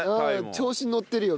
調子にのってるよ